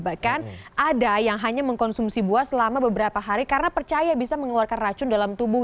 bahkan ada yang hanya mengkonsumsi buah selama beberapa hari karena percaya bisa mengeluarkan racun dalam tubuh